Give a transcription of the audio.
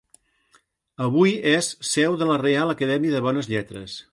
Avui és seu de la Reial Acadèmia de Bones Lletres.